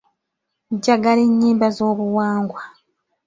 Njagala ennyimba z'obuwangwa.